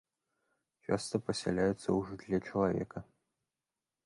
Часта пасяляецца ў жытле чалавека.